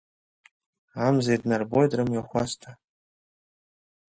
Амза иднарбоит рымҩахәасҭа.